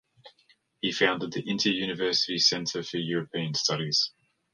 He founded the Inter-University Center for European Studies.